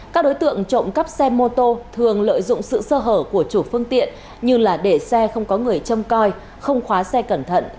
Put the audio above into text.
các đối tượng trộm cắp xe mô tô thường lợi dụng sự sơ hở của chủ phương tiện như là để xe không có người châm coi không khóa xe cẩn thận